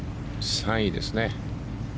３位ですね。